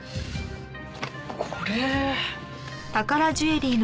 これ。